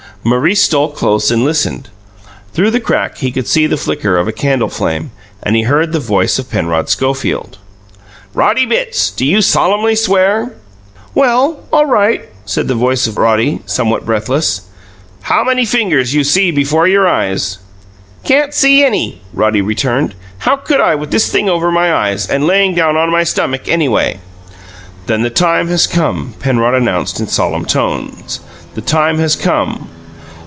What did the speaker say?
Maurice stole close and listened. Through a crack he could see the flicker of a candle flame, and he heard the voice of Penrod Schofield: "Roddy Bitts, do you solemnly swear?" "Well, all right," said the voice of Roddy, somewhat breathless. "How many fingers you see before your eyes?" "Can't see any," Roddy returned. "How could I, with this thing over my eyes, and laying down on my stummick, anyway?" "Then the time has come," Penrod announced in solemn tones. "The time has come."